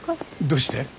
どうして？